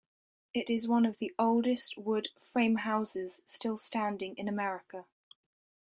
It is one of the oldest wood frame houses still standing in America.